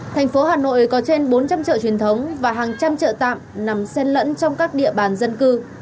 thành phố hà nội có trên bốn trăm linh chợ truyền thống và hàng trăm chợ tạm nằm sen lẫn trong các địa bàn dân cư